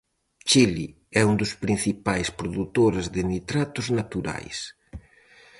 Chile é un dos principais produtores de nitratos naturais.